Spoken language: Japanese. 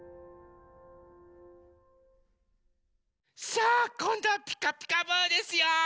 さあこんどは「ピカピカブ！」ですよ。